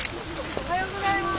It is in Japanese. おはようございます。